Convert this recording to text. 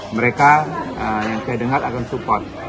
mereka yang saya dengar akan support